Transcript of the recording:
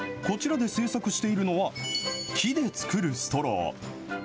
こちらで製作しているのは、木で作るストロー。